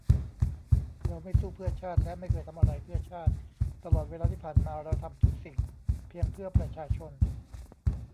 เราไม่สู้เพื่อชาติและไม่เคยทำอะไรเพื่อชาติ ตลอดเวลาที่ผ่านมาเราทำทุกสิ่งเพียงเพื่อประชาชน